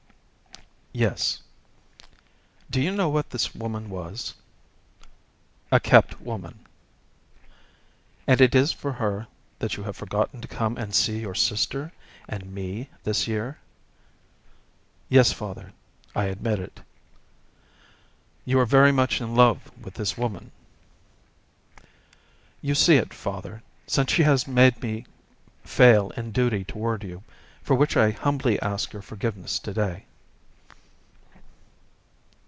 "Yes." "Do you know what this woman was?" "A kept woman." "And it is for her that you have forgotten to come and see your sister and me this year?" "Yes, father, I admit it." "You are very much in love with this woman?" "You see it, father, since she has made me fail in duty toward you, for which I humbly ask your forgiveness to day."